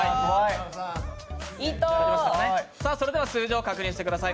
それでは数字を確認してください。